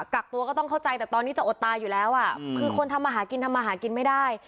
กักตัวก็ต้องเข้าใจแต่ตอนนี้จะอดตายอยู่แล้วคือคนทำมาหากินทำมาหากินไม่ได้